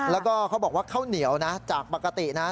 แล้วก็เขาบอกว่าข้าวเหนียวนะจากปกตินะ